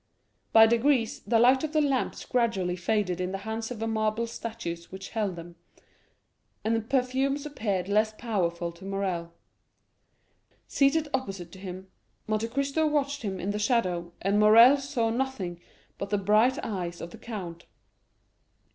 By degrees, the light of the lamps gradually faded in the hands of the marble statues which held them, and the perfumes appeared less powerful to Morrel. Seated opposite to him, Monte Cristo watched him in the shadow, and Morrel saw nothing but the bright eyes of the count.